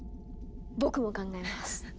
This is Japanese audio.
僕も考えます！